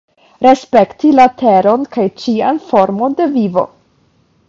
Respekti la Teron kaj ĉian formon de vivo.